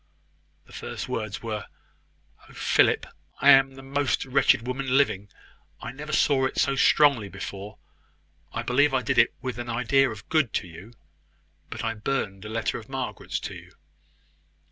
The first words were "Oh, Philip! I am the most wretched woman living! I never saw it so strongly before; I believe I did it with an idea of good to you; but I burned a letter of Margaret's to you."